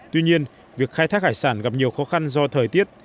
tuy nhiên việc khai thác hải sản gặp nhiều khó khăn do thời tiết